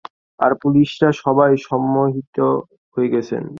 আর পুলিশরা, সবাই সম্মোহিত হয়ে গেছে।